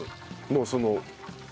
もうその。